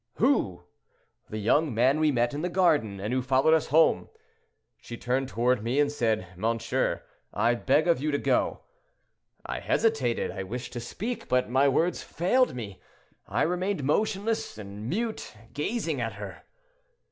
'Who?' 'The young man we met in the garden, and who followed us home.' She turned toward me and said, 'Monsieur, I beg of you to go.' I hesitated; I wished to speak, but my words failed me. I remained motionless and mute, gazing at her.